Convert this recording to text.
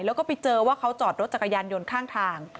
แล้วก็ไปเจอว่าเขาจอดรถจักรยานยนต์ข้างทาง